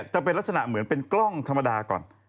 จะเป็นลักษณะเหมือนเป็นกล้องธรรมดาก่อน